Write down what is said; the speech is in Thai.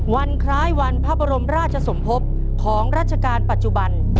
วันคล้ายวันพระบรมราชสมภพของราชการปัจจุบัน